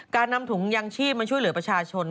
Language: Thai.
การนำถุงยางชีพมาช่วยเหลือประชาชน